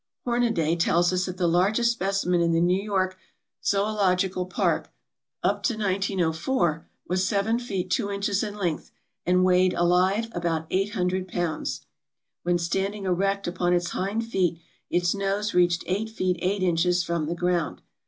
Hornaday tells us that the largest specimen in the New York Zoological Park (up to 1904) was 7 feet 2 inches in length and weighed, alive, about 800 pounds; when standing erect upon its hind feet its nose reached 8 feet 8 inches from the ground.